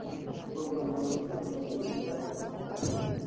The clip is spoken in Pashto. تور بانجان په روغتیا کې مثبت تاثیر لري.